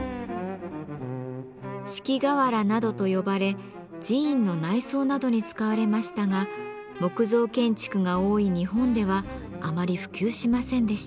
敷瓦などと呼ばれ寺院の内装などに使われましたが木造建築が多い日本ではあまり普及しませんでした。